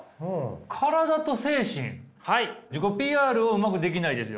「自己ＰＲをうまくできない」ですよ。